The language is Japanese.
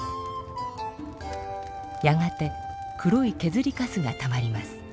やがて黒いけずりカスがたまります。